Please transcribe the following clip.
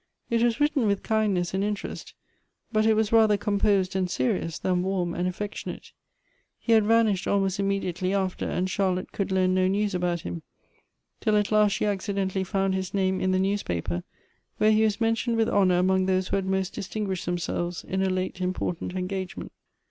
It was written v.ith kindness and interest, but it was rather composed r.;i;l serious than warm and affection.ate. Se h.ad vanished j "dmost immediately after, au^l Charlotte could learn no liowa r.bout him; till at last she acciilcnt.ally found his iir.mo in the newspaper, where he was mentioned with honor I'.mong those who h.ad most distinguished themselves in a late important engagement.